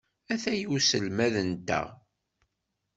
Ataya uselmad-nteɣ.